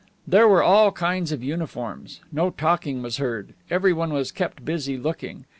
There were all kinds of uniforms. No talking was heard. Everyone was kept busy looking.